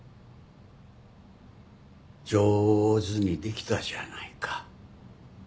上手にできたじゃないか。